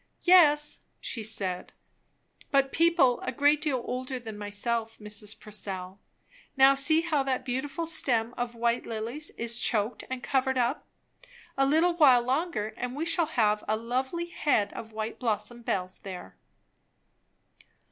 "Yes," she said; "but people a great deal older than myself, Mrs. Purcell. Now see how that beautiful stem of white lilies is choked and covered up. A little while longer and we shall have a lovely head of white blossom bells there."